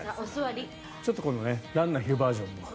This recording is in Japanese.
ちょっと今度ランナーがいるバージョンも。